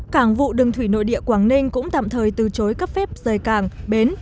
cảng vụ đường thủy nội địa quảng ninh cũng tạm thời từ chối cấp phép rời cảng bến